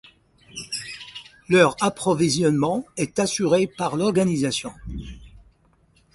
Leur approvisionnement est assuré par l’organisation.